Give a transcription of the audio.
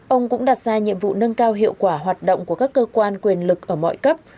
ông cũng đặt ra nhiệm vụ nâng cao hiệu quả hoạt động của các cơ quan quyền lực ở mọi cấp